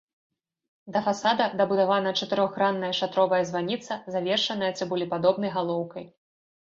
Да фасада дабудавана чатырохгранная шатровая званіца, завершаная цыбулепадобнай галоўкай.